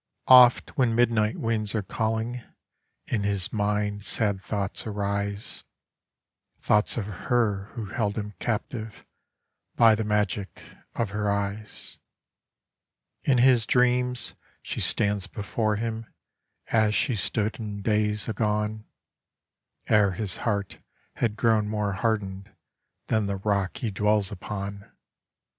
Oft when midnight winds are calling in his mind sad thoughts arise, Thoughts of her who held him captive by the magic of her eyes. In his dreams she stands before him as she stood in days agone, Ere his heart had grown more hardened than the rock he dwells upon.